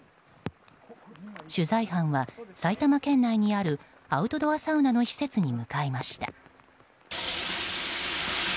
取材班は、埼玉県内にあるアウトドアサウナの施設に向かいました。